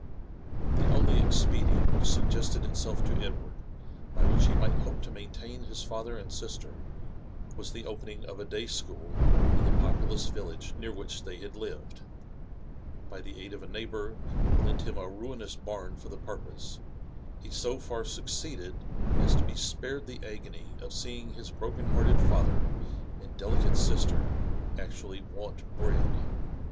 The only expedient which suggested itself to Edward by which he might hope to maintain his father and sister, was the opening a day school in the populous village near which they had lived. By the aid of a neighbour who lent him a ruinous barn for the purpose, he so tair succeeded as to be ^ared the agony of seeing his broken hearted fatlier and delicate sister actually want bread.